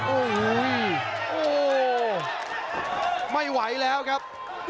โอ้โหไม่ไหวแล้วครับ